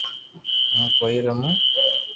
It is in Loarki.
ھون ڪوئي رمو